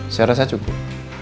saya rasa cukup